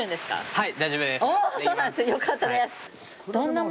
はい。